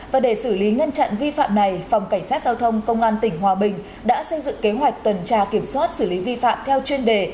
và để xử lý ngăn chặn vi phạm này phòng cảnh sát giao thông công an tỉnh hòa bình đã xây dựng kế hoạch tuần tra kiểm soát xử lý vi phạm theo chuyên đề